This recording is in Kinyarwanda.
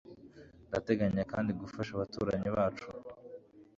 Ndateganya kandi gufasha abaturanyi bacu